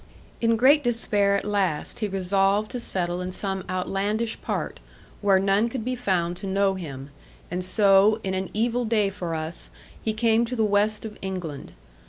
In great despair at last, he resolved to settle in some outlandish part, where none could be found to know him; and so, in an evil day for us, he came to the West of England.